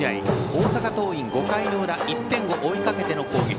大阪桐蔭、５回の裏１点を追いかけての攻撃。